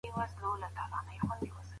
که زده کوونکي هدف ولري، بې لاري تګ نه کېږي.